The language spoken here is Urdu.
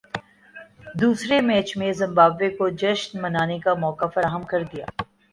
دوسرے میچ میں زمبابوے کو جشن منانے کا موقع فراہم کردیا